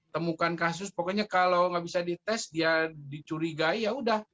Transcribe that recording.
temukan kasus pokoknya kalau nggak bisa dites dia dicurigai yaudah